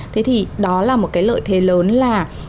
thế thì đó là một cái lợi thế lớn là